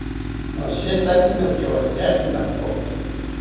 Nashetaki nokiwantyari nopo